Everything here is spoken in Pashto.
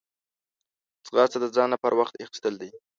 ځغاسته د ځان لپاره وخت اخیستل دي